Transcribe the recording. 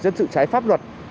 dân sự trái pháp luật